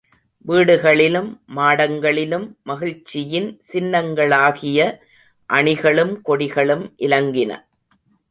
வீடுகளிலும் மாடங்களிலும், மகிழ்ச்சியின் சின்னங்களாகிய அணிகளும் கொடிகளும் இலங்கின.